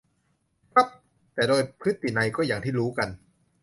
ครับ แต่โดยพฤตินัยก็อย่างที่รู้กัน